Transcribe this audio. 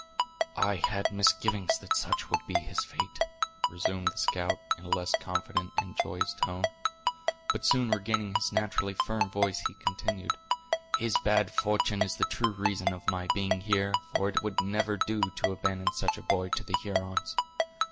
"I had misgivings that such would be his fate," resumed the scout, in a less confident and joyous tone. But soon regaining his naturally firm voice, he continued: "His bad fortune is the true reason of my being here, for it would never do to abandon such a boy to the Hurons.